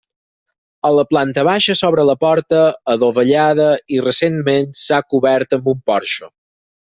A la planta baixa s'obre la porta adovellada i recentment, s'ha cobert amb un porxo.